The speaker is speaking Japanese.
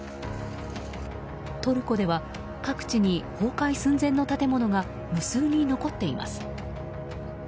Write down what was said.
トルコでは、各地に崩壊寸前の建物が無数に残っています。